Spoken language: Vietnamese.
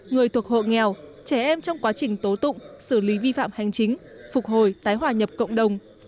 người thuộc hộ nghèo trẻ em trong quá trình tố tụng xử lý vi phạm hành chính phục hồi tái hòa nhập cộng đồng